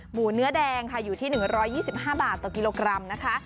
หมูเนื้อแดงค่ะอยู่ที่๑๒๕บาทต่อกิโลกรัมนะคะ